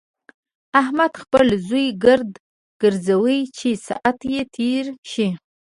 احمد خپل زوی ګرد ګرځوي چې ساعت يې تېر شي.